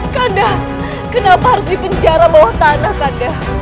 kanda kenapa harus dipenjara bawah tanah kanda